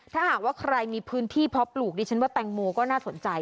ถ้าหากว่าใครมีพื้นที่เพาะปลูกดิฉันว่าแตงโมก็น่าสนใจ